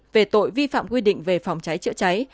về tội vi phạm quy định về phòng cháy chữa cháy